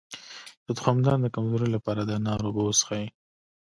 د تخمدان د کمزوری لپاره د انار اوبه وڅښئ